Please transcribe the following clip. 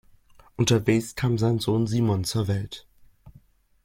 Unterwegs kam sein Sohn Simon zur Welt.